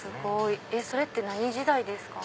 それって何時代ですか？